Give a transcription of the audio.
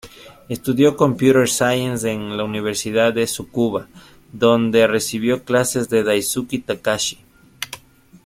Estudió computer science en la Universidad de Tsukuba, donde recibió clases de Daisuke Takahashi.